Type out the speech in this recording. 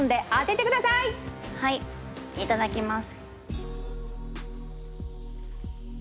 いただきます。